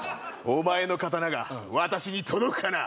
「お前の刀が私に届くかな」